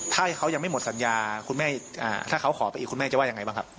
ถ้าเขายังไม่หมดสัญญาคุณแม่ถ้าเขาขอไปอีกคุณแม่จะว่ายังไงบ้างครับ